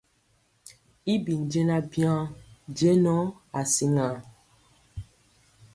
Y bi jɛɛnaŋ waŋ jɛŋɔ asiaŋ.